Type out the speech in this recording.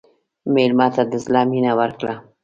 مېلمه ته د زړه مینه ورکړه.